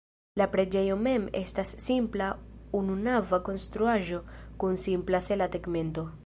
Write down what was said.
La preĝejo mem estas simpla ununava konstruaĵo kun simpla sela tegmento.